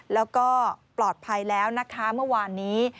แล้วก็ปลอดภัยแล้วนะคะเมื่อวานนี้